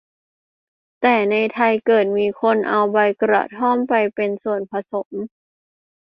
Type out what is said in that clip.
แต่ในไทยเกิดมีคนเอาใบกระท่อมไปเป็นส่วนผสม